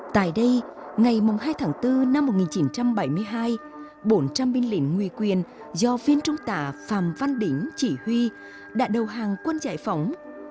tại đây ngày hai tháng bốn năm một nghìn chín trăm bảy mươi hai bốn trăm linh binh lính nguy quyền do phiên trung tả phạm văn đính chỉ huy đã đầu hàng quân giải phóng